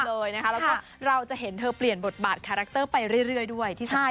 แล้วก็เราจะเห็นเธอเปลี่ยนบทบาทคาแรคเตอร์ไปเรื่อยด้วยที่สำคัญ